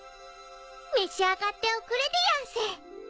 召し上がっておくれでやんす。